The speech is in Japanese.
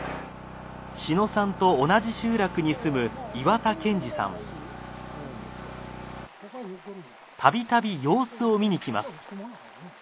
志野さんと同じ集落に住む度々様子を見に来ます。